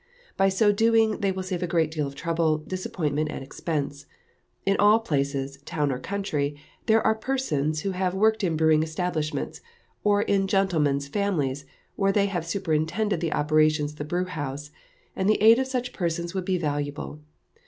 By so doing they will save a great deal of trouble, disappointment, and expense. In all places, town or country, there are persons who have worked in brewing establishments, or in gentlemen's families where they have superintended the operations of the brew house, and the aid of such persons would be valuable.